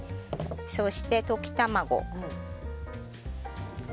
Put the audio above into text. そして、溶き卵。